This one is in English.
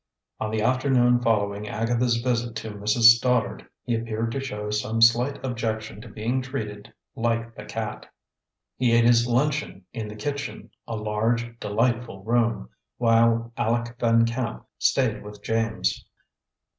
On the afternoon following Agatha's visit to Mrs. Stoddard, he appeared to show some slight objection to being treated like the cat. He ate his luncheon in the kitchen a large, delightful room while Aleck Van Camp stayed with James.